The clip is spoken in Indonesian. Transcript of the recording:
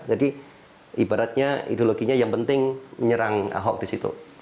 jadi ibaratnya ideologinya yang penting menyerang ahok di situ